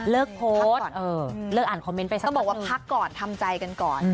เลิกโพสต์เลิกอ่านคอมเมนต์ไปสักพักนึงพักก่อนทำใจกันก่อน